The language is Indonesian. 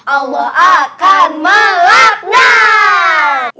allah akan melaknat